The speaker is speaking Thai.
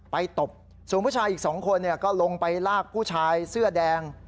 ตบส่วนผู้ชายอีก๒คนก็ลงไปลากผู้ชายเสื้อแดง